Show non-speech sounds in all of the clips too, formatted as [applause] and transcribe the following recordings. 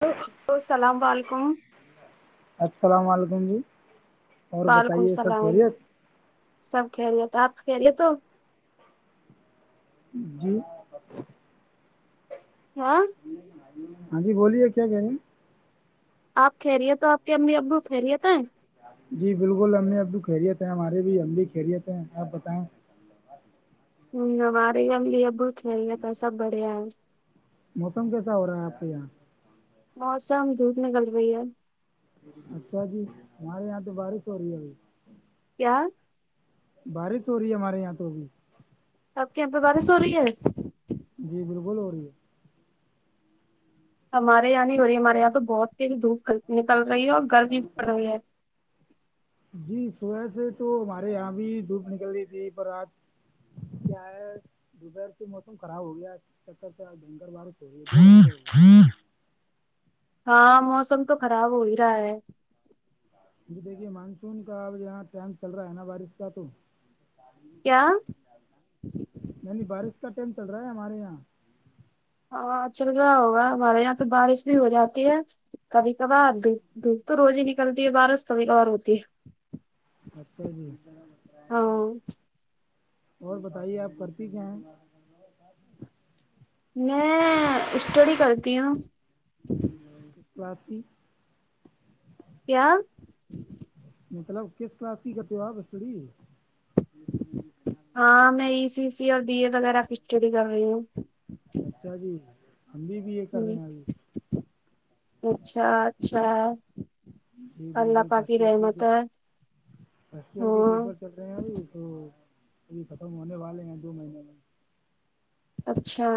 hello السلام و علیکم السلام علیکم جی اور وعلیکم بتائیے سب السلام خیریت سب کہ رہے تو آپ کہہ رہے تو جی [unintelligible] ہاں [unintelligible] ہاں جی بولیے کیا کہیںے ہیں [unintelligible] آپ کہ رہیے تو آپ کے امی ابو خہریےت جی بالکل ہم نے اب تو خیریت ہیں ہمارے بھی ہم بھی خیریت ہیں آپ بتائیں ہ ہمارے ہم لی ب کھیل گیا تھا سب بڑھیا ہے موسم کیسا ہو رہا ہے آپ کے یہاں موسم دھوپ نکل رہی ہے اچھا جی ہمارے یہاں تو بارش ہو رہی ہے ابھی [unintelligible] کیا [unintelligible] بارش ہو رہی ہے ہمارے یہاں تو ابھی آپ کے یہاں پہ بارش ہو رہی ہے جی بالکل ہو رہی ہے ہمارے یہاں نہیں ہو رہی ہمارے یہاں تو بہت تیزی دھوپ نکل رہی ہے اور گرمی پڑ رہی ہے جی صبح سے تو ہمارے یہاں بھی دھوپ نکل رہی تھی پر آج کیا ہے دوپہر کے موسم خراب ہو گیا چب تک ڈنگر والار تو ہاں موسم تو خراب ہو ہی رہا ہے جی دیکھیے مانسون کا اب یہاں ٹائم چل رہا ہے نا بارش کا تو کیا یعنی بارش کا ٹائم چل رہا ہے ہمارے یہاں ہاں چل رہا ہوگا ہمارے یہاں پہ بارش بھی ہو جاتی ہے کبھی کبھار د دل تو روز ہی نکلتی ہے بارش کبھی کبھار ہوتی ہے اچھا جی [unintelligible] ہ [unintelligible] اور بتائیے آپ کرتی کیا ہیں میں اسٹڈی کرتی ہوں کفی [unintelligible] کیا [unintelligible] مطلب کس کلاس کی کرتے ہو بس تھوڑی ہاں میں ای سی سی اور بی اے وغیرہ کی اسٹڈی کر رہی ہوں [unintelligible] اچھا جی [unintelligible] ہمبھی بھی ایک ہ اچھا اچھا [unintelligible] جی اللہ بالکل پاک کی فرسٹ ایئر رحمت کے ہے فسٹ ایئر کے ہاں پیپر [unintelligible] چ رہے ہیں ابھی تو ابھی ختم ہونے والے ہیں دو مہینے میں اچھا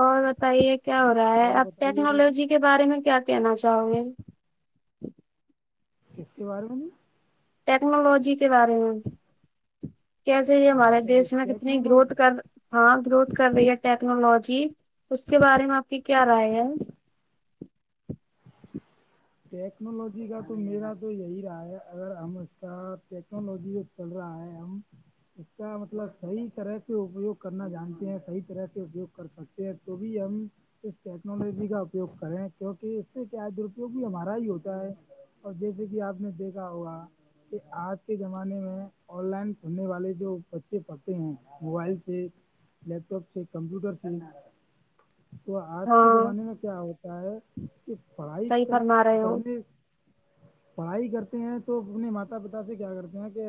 اور بتائیے کیا ہو رہا ہے اور اپ بتائیے کہ ٹیکنالوجی کے بارے میں کیا کہنا چاہو گے کس کے بارے میں نہیں ٹیکنالوجی کے بارے میں کیسے یہ ہمارے اچھا جی دیش میں کتنی ٹیکنالوجی گروتھ کر ہاں گروتھ کر رہی ہے ٹیکنالوجی اس کے بارے میں آپ کی کیا رائے ہے ٹیکنالوجی کا تو میرا تو یہی رہا ہے اگر ہم اس کا ٹیکنالوجی چل رہا ہے ہم اس کا مطلب صحیح طرح سے اپیوگ کرنا جانتے ہیں صح طرح سے اپیوگ کر سکتے تو بھی ہم اس ٹیکنالوجی کا اپیوگ کریں کیونکہ اس سے کیا د جو بھی ہمارا ہی ہوتا ہے اور جیسے کہ آپ نے دیکھا ہوا کہ آج کے زمانے میں آن لائن پڑھنے والے جو بچے پڑھتے ہیں موبائل سے لیپٹاپ سے کمپیوٹر س تو آج کے ہاں زمانے میں کیا ہوتا ہے کہ پڑھائی صحیح کر فرما رہے ہو کرنے پڑھائی کرتے ہیں تو اپنے ماتا پتا سے کیا کرتے ہیں کہ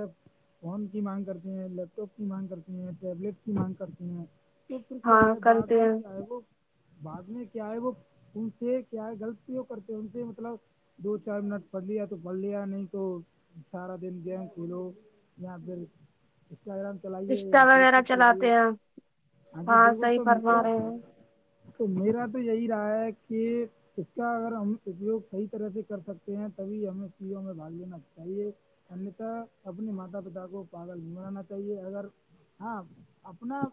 فون کی مانگ کرتے ہیں لیپ ٹاپ کی مانگ کرتے ہیں ٹیبلیٹ کی مانگ کرتے ہیں چ پھر ہاں کیا ہے بعد کرتے میں ہیں کیا ہے وہ بعد میں کیا ہے وہ ان سے کیا ہے غلطوں کرتے ہیں ان سے مطلب دو چار منٹ پڑھ لیا تو پڑھ لیا نہیں تو سارا دن گئے کھلو یہاں پہ انسٹاگرام چلائیے یا انسٹا فیس وغیرہ بک چلائیے چلاتے ہیں ہاں جی بالکل صحیح تو فرما میرا رہے ہو تو میرا تو یہی رہا ہے کہ اس کا ا ہم اپیوگ صحی طرح سے کر سکتے ہیں تبھی ہمیں پیوں میں باگ لینا چاہیے انتا اپنے ماتا پتا کو پاگل نہیں بنانا چاہیے اگر ہاں اپنا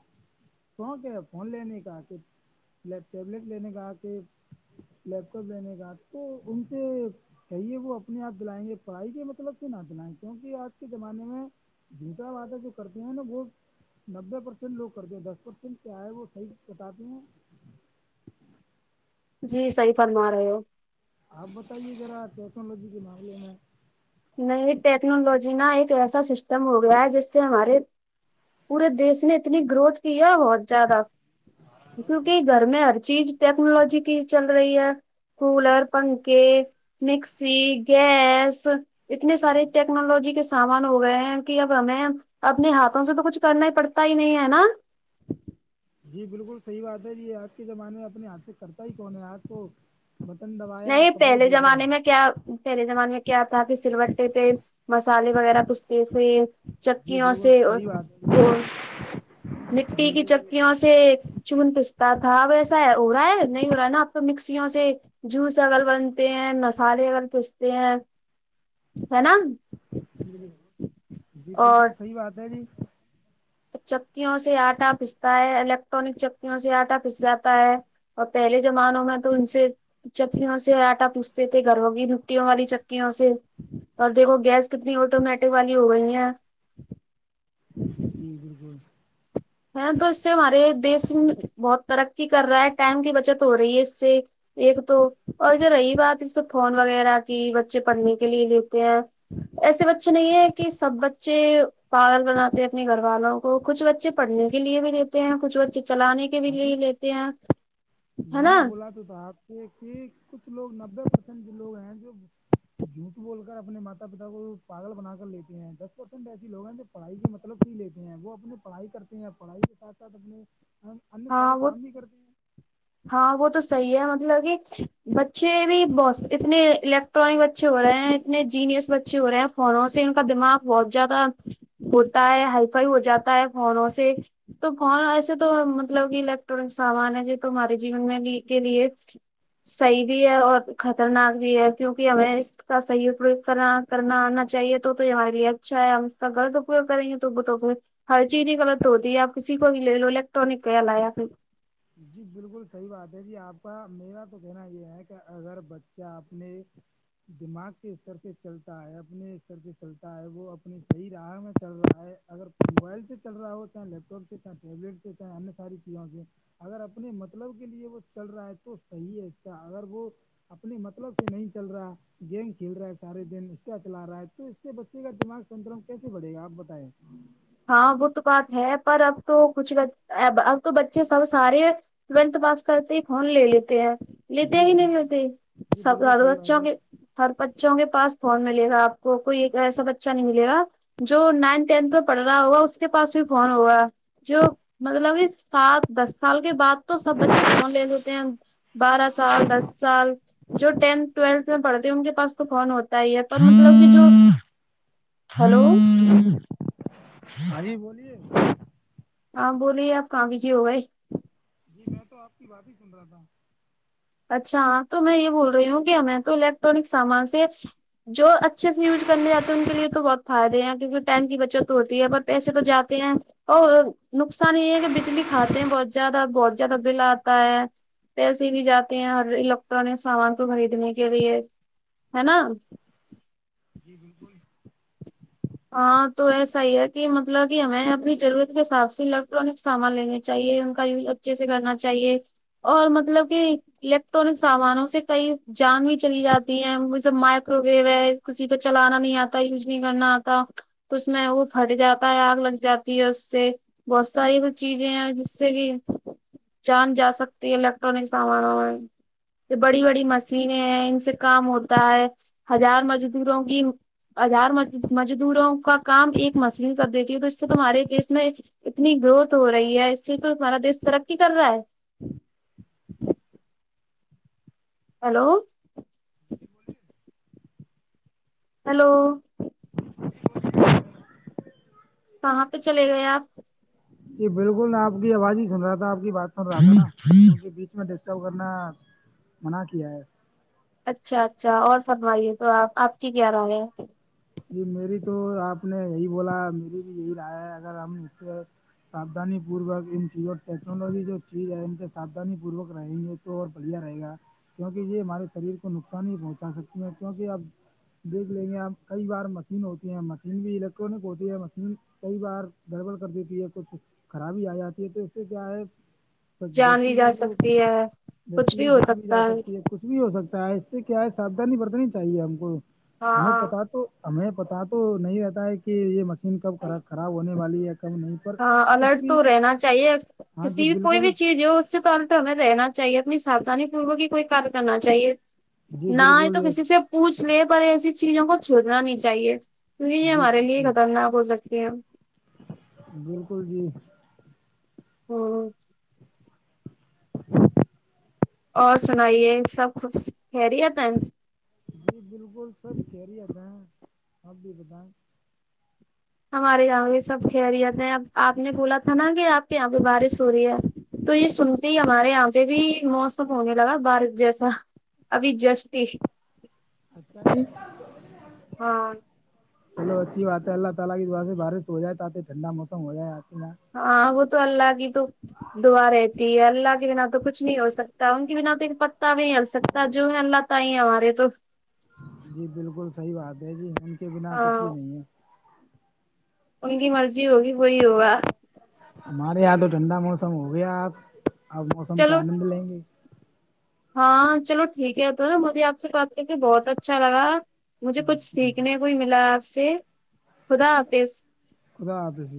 شونق ہے فون لینے کا آ کے لیپ ٹیبلیٹ لینے کا آ کے لیپ لینے کا تو ان سے کہیے وہ اپنے آپ جلائیں گے پڑھائی کے مطلب سے نہ جلائیں گے کیونکہ آج کے زمانے میں جوٹا وعدہ جو کرتے ہیں نا وہ نبے پرسینٹ لوگ کرتے ہیں دس پرسینٹ کیا ہے وہ صحیح کٹاتے ہیں جی صحیح فرما رہے ہو آپ بتائیے ذرا ٹیکنالوجی کے معاملے ہیں نہیں ٹیکنالوجی نا ایک ایسا سسٹم ہو گیا ہے جس سے ہمارے پورے دیش نے اتنی گروتھ کی ہے بہت زیادہ کیونکہ گھر میں ہر چیز ٹیکنالوجی کی چل رہی ہے کولر پنکھے مکسی گیس اتنے سارے ٹیکنالوجی کے سامان ہو گئے ہیں کہ اب ہمیں اپنے ہاتھوں سے تو کچھ کرنا ہی پڑتا ہی نہیں ہے نا جی بالکل صحی بات ہے یہ آج کے زمانے میں اپنی آرتک کرتا ہی کون ہے آج کو بٹن دبا نہیں پہلے زمانے میں کیا پہلے زمانے میں کیا آتا کہ سلور ے پہ مسالے وغیرہ پستے تھے جی چکیوں بالکل سے صحیح بات ہے وہ جی مٹی کی چپ مکوں سے چن پستا تھا ویسا ہے ہو رہا ہے نہیں ہو رہا ہے نا آپ کو مکسیوں سے جوس اگر بنتے ہیں مسالے اگرگر پیستے ہیں ہے نا جی جی بالکل صحیح بات ہے جی چکی ہوں سے آٹا پستا ہے الیکٹرانک چکی ہوں سے آٹا پس جاتا ہے اور پہلے زمانوں میں تو ان سے چکیوں سے آٹا پوچتے تھے گرووں کی لکوں والی چکیوں سے اور دیکھو گیس کتنی آٹومیٹک والی ہو گئی ہیں جی بالکل ہ تو اس سے ہمارے دیس بہت ترقی کر رہا ہے ٹائم کی بچت ہو رہی ہے اس سے ایک تو اور جو رہی بات اس تو فون وغیرہ کی بچے پڑھنے کے لیے لیتے ہیں ایسے بچے نہیں ہے کہ سب بچے پاگل بناتے اپنے گھر والوں کو کچھ بچے پڑھنے کے لیے بھی لیتے ہیں کچھ بچے چلانے کے بھی ہاں لیے جی لیتے ہیں ہے نا [inaudible] یہ کہ کچھ لوگ نبے پرسنٹ لوگ ہیں جو جھوٹ بول کر اپنے ماتا پتا کو پاگل بنا کر لیتے ہیں دس پرسینٹ ایسی لوگ ہیں جو پڑھائی کے مطلب ہی لیتے ہیں وہ اپنے پڑھائی کرتے ہیں پڑھائی کے ساتھ ساتھ اپنے ہم انیہ ہاں سارے وہ کام ہی کرتے ہیں ہاں وہ تو صحیح ہے مطلب کہ بچے بھی ب اتنے پٹرک بچے ہو رہے ہیں اتنے جینئس بچے ہو رہے ہیں فونوں سے ان کا دماغ بہت زیادہ ہوتا ہے ہائی فائی ہو جاتا ہے فونوں سے تو کون ایسے تو مطلب کہ الیکٹرانک سامان ہے جو تمارے جین میں کے لیے صحیح بھی ہے اور خطرناک بھی ہے کیونکہ ہمیں اس کا صحیح اپریگ کرنا کرنا آنا چاہیے تو یہ ہماراریے اچھا ہے ہم اس کا غلط اپیوگ کریں گے تو وہ تو ہر چیز ہی غلط ہوتی ہے آپ کسی کو بھی لے لو الیکٹرانک کا لا یا پھر جی بالکل صحیح بات ہے جی آپ کا میرا تو کہنا یہ ہے کہ اگر بچہ اپنے دماغ کے استر سے چلتا ہے اپنے استر سے چلتا ہے وہ اپنی صحیح راہ میں چل رہا ہے اگر موبائل سے چل رہا ہو چاہے لیپ ٹاپ سے چاہ ٹیبلیٹ سے چاہےیہ ساری چیزوں سے اگر اپنے مطلب کے لیے وہ چل رہا ہے تو صحیح ہے کیا اگر وہ اپنے مطلب سے نہیں چل رہا گیم کھیل رہا ہے سارے دن اس کا چلا رہا ہے تو اس کے بچے کا دماغ سترم کیسے بڑے گا آپ بتائیں ہاں وہ تو بات ہے پر اب تو کچھ اب تو بچے سب سارے ٹویلتھ پاس کرتے ہی فون لے لیتے ہیں لیتے جی ہی نہیں بالکل لیتے جی سب بالکل صحیح بات ہے کے ہر بچوں کے پس فون ملے گا آپ کوئی ایسا بچہ نہیں ملے گ جو نائن ٹینتھ میں پڑ رہا ہوا اس کے پاس بھی فون ہوا جو مطلب اس سات دس سال کے بعد تو سب بچے فون لے لیتے ہیں بارہ سال دس سال جو ٹینتھ ٹویلتھ میں پڑتی ہ ان کے پاس تو فون ہوتا ہی ہے پر مطلب کہ جو ہلو ہاری بولیے ہاں بوللیے آپ کااں بھیج جے ہوگاائی جی میں تو آپ کی بات ہی سن رہا تھا اچھا تو میں یہ بول رہی ہوں کہ ہمیں تو الیکٹرانک سامان سے جو اچھے سے یوز کرنے آتے ہیں ان کے لیے تو بہت فائدے ہیں کیونکہ ٹائم کی بچت تو ہوتی ہے پر پیسے تو جاتے ہیں اور نقصان یہ ہے کہ بجلی کھاتے ہیں بہت زیادہ بہت زیادہ بل آتا ہے پیسے بھی جاتے ہیں ہر الیکٹرانک سامان کو خریدنے کے لیے ہے نا جی بالکل ہاں تو ایسا ہی ہے کہ مطلب کہ ہمیں اپنی ضرورت کے حساب سے الیکٹرانک سامان لینے کی چاہیے ان کا یوز اچھے سے کرنا چاہیے اور مطلب کہ الیکٹرانک سامانوں سے کئی جان بھی چلی جاتی ہے جب مائکرو ویو ہے کسی پہ چلانا نہیں آتا یوز نہیں کرنا تو اس میں وہ پھٹ جاتا ہے آگ لگ جاتی ہے اس سے بہت ساری کچ چیزیں جس سے بھی جان جا سکتی ہے الیکٹرانک سامانوں میں بڑی بڑی مشینیں ہیں ان سے کام ہوتا ہے ہزار مزدوروں کی ازھار مزدوروں کا کام ایک مسین کر دیتی ہ تو اس سے تمہارے دیس میں اتنی گروتھ ہو رہی ہے اس سے تو تمہارا دیش ترقی کر رہا ہے ہیلو جی بولیے ہیلو کہاں پہ چلے گئے آپ جی بالکل آپ کی آواز ہی سن رہا تھا آپ کی بات سن رہا تھا بیچ میں ڈسٹرب کرنا منع کیا ہے اچھا اچھا اور فرمائیے تو آپ آپ کی کیا راہ ہے جی میری تو آپ نے یہی بولا میری بھی یہی رائے ہے اگر ہم اسج سے ساودھانی پوروک ان چیزوں ٹیکنالوجی جو چیز ہے ان سے ساھانی پوروک رہیں گے تو اور بڑھیا رہے گا کیونکہ یہ ہمارے شریر کو نقصان ہی پہنچا سکتی ہیں کیونکہ اب دیکھ لیں گے آپ کئی بار مشین ہوتی ہیں مشین بھی الیکٹرانک ہوتی ہے مشین کئی بار دڑبڑ کر دیتی ہے کچھ خرابی آ جاتی ہے تو اس سے کیا ہے جان بھی ویکتی کا جا جو سکتی ہے کچھ وتی کی ہو جان بھی جا سکتا سکتی ہے کچھ بھی ہو سکتا ہے اس سے کیا ہے ساودھانی برتنی چاہیے ہم کو ہمیں ہاں پتا تو تو ہمیں پتا تو نہیں رہتا ہے کہ یہ مشین کب خراب ہونے والی ہے کب نہیں پر ہاں کچھ الرٹ بھی تو رہنا چاہیے ہاں جی کسی کوئی بالکل بھی چیز جو اچ طور پ ہمیں رہنا چاہیے اپنی ساھانی پوروک ہی کوئی کار کرنا چاہیے جی نہ ہی بالکل تو یہ کسی سے پوچھ لے پر ایسی چیزوں کو چھوڑنا نہیں چاہیے نہیں جی ہمارے لیے بالکل خطرناک ہو سکتی ہیں بالکل جی [unintelligible] ہوں اور سنائیے سب خھ کہہ رہی ہے ت [unintelligible] جی بالکل سب خری آتے ہیں آپ بھی بتائیں ہمارے یہاں بھی سب خیریت ہیں اب آپ نے بولا تھا نا کہ آپ کے یہاں پہ بارش ہو رہی ہے تو یہ سنتے ہی ہمارے یہاں پہ بھی موسم ہونے لگا بارش جیسا ابھی جست اچھ [inaudible] ہاں اچھی بات ہے اللہ تعالی کی دعا سے بارش ہو جائے تاکہ ٹھنڈا موسم ہو جائیں ہاں آ گ تو اللہ آگ تو دعا رہتی ہے اللہ کے بنا تو کچھ نہیں ہو سکتا ان کے بنا تو پ تا بھی ہل سکتا جو ہے اللہ تئی ہے ہمارے تو جی بالکل صحیح بات ہے جی ان کے بنا کچھ ہاں بھی نہیں ہے ان کی مرضی ہوگی وہی ہوگا ہمارے یہاں تو ٹھنڈا موسم ہو گیا آپ آپ موسم کا چلو آنند لیں گے ہاں چلو ٹھیک ہے تو مجھے آپ سے بات کر کے بہت اچھا لگا مجھے کچھ سیکھنے کو ہی ملا آپ سے خدا آپس خدا حد سے